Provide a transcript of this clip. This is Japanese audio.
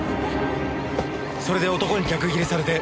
それで男に逆ギレされて。